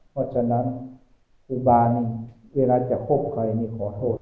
เพราะฉะนั้นคุบานี่เวลาจะคบใครนี่ขอโทษ